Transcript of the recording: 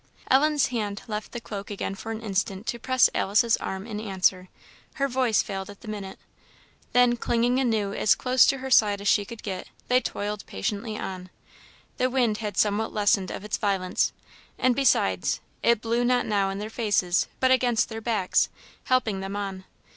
Ellen's hand left the cloak again for an instant to press Alice's arm in answer; her voice failed at the minute. Then clinging anew as close to her side as she could get, they toiled patiently on. The wind had somewhat lessened of its violence, and, besides, it blew not now in their faces, but against their backs, helping them on.